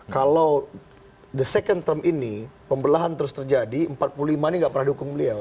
kalau the second term ini pembelahan terus terjadi empat puluh lima ini gak pernah dukung beliau